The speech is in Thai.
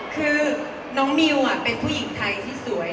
คือน้องมิวเป็นผู้หญิงไทยที่สวย